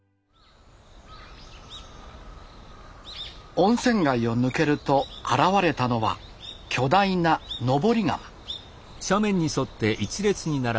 温泉街を抜けると現れたのは巨大な登り窯。